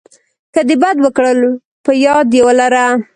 که د بد وکړل په یاد یې ولره .